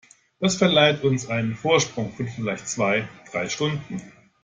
Das verleiht uns einen Vorsprung von vielleicht zwei, drei Stunden.